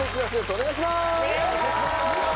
お願いします。